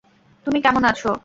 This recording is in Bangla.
তুমি কেমন আছ?